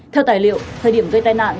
theo tài liệu thời điểm gây tai nạn